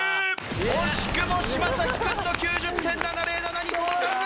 惜しくも嶋君の９０．７０７に届かず！